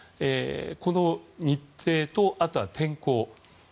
この日程とあとは天候。